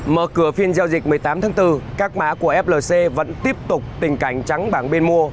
mở cửa phiên giao dịch một mươi tám tháng bốn các mã của flc vẫn tiếp tục tình cảnh trắng bảng bên mua